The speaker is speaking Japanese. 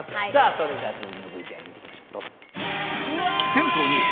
それでは続きのＶＴＲ見ていきましょう